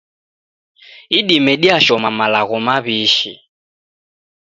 Idime diashoma malagho mawi'shi.